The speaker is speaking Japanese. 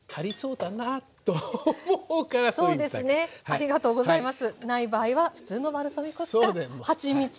ありがとうございます。